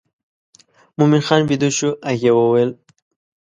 مومن خان بېده شو هغې وویل.